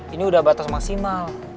ini udah batas maksimal